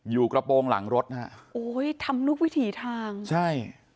กระโปรงหลังรถนะฮะโอ้ยทำทุกวิถีทางใช่